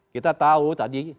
kita tahu tadi